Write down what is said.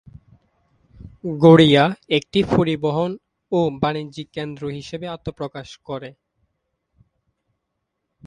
গড়িয়া একটি পরিবহন ও বাণিজ্যকেন্দ্র হিসেবে আত্মপ্রকাশ করে।